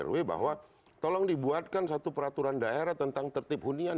tua erw bahwa tolong dibuatkan satu peraturan daerah tentang tertipu niat